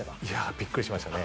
びっくりしましたね。